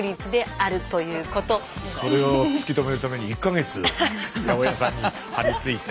それを突き止めるために１か月八百屋さんに張り付いて。